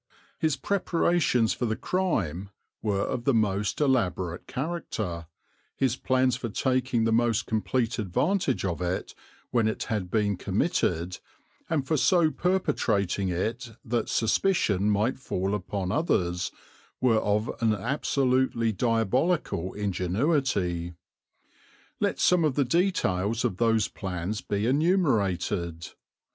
His preparations for the crime were of the most elaborate character; his plans for taking the most complete advantage of it when it had been committed, and for so perpetrating it that suspicion might fall upon others, were of an absolutely diabolical ingenuity. Let some of the details of those plans be enumerated.